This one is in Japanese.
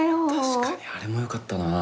確かにあれもよかったなぁ。